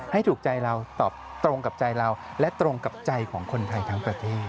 ให้ถูกใจเราตอบตรงกับใจเราและตรงกับใจของคนไทยทั้งประเทศ